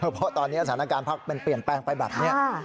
เพราะตอนนี้สถานการณ์พักมันเปลี่ยนแปลงไปแบบนี้